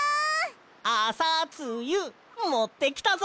あさつゆもってきたぞ！